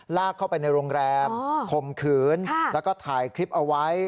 ลากเข้าไปในโรงแรมข่มขืนแล้วก็ถ่ายคลิปเอาไว้